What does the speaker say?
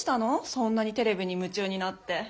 そんなにテレビにむちゅうになって。